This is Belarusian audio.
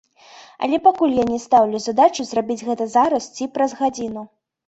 Але пакуль я не стаўлю задачу зрабіць гэта зараз ці праз гадзіну.